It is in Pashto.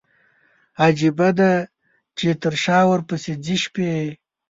عجيبه ده، چې تر شا ورپسي ځي شپي